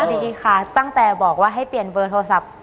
ดีค่ะตั้งแต่บอกว่าให้เปลี่ยนเบอร์โทรศัพท์